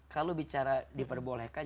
kalau bicara diperbolehkan